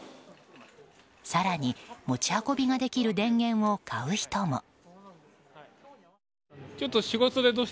更に、持ち運びができる電源を買う人も。